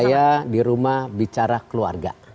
saya di rumah bicara keluarga